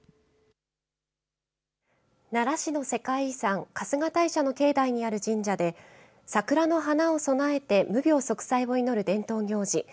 奈良市の世界遺産春日大社の境内にある神社で桜の花を供えて無病息災を祈る伝統行事